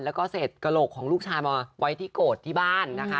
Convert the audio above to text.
แล้วก็เศษกระโหลกของลูกชายมาไว้ที่โกรธที่บ้านนะคะ